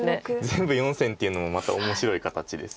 全部４線っていうのもまた面白い形です。